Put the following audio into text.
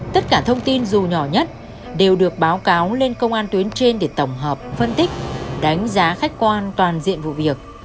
tất cả thông tin dù nhỏ nhất đều được báo cáo lên công an tuyến trên để tổng hợp phân tích đánh giá khách quan toàn diện vụ việc